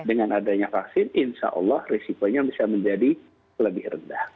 dengan adanya vaksin insya allah risikonya bisa menjadi lebih rendah